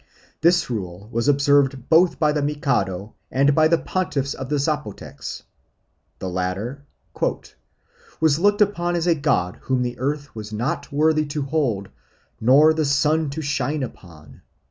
This rule was observed both by the Mikado and by the pontiff of the Zapotecs. The latter "was looked upon as a god whom the earth was not worthy to hold, nor the sun to shine upon."